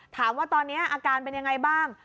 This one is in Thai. ถามว่าตอนนี้อาการเป็นยังไงบ้าง